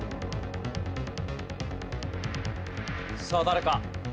さあ誰か。